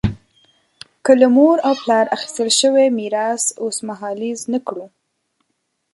که له مور او پلار اخیستل شوی میراث اوسمهالیز نه کړو.